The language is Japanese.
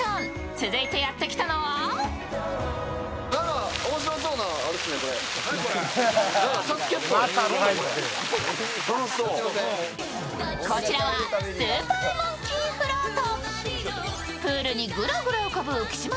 続いてやってきたのはこちらは、スーパーモンキーフロート。